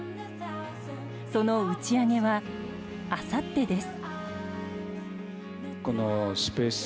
その打ち上げは、あさってです。